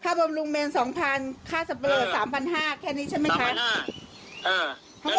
ค่าบำรุงเมนสองพันค่าสะเบิร์ดสามพันห้าแค่นี้ใช่ไหมคะสามพันห้า